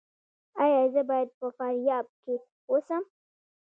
ایا زه باید په فاریاب کې اوسم؟